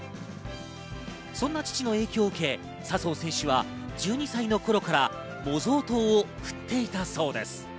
そんな父の影響を受け、笹生選手は１２歳の頃から模造刀を振っていたそうです。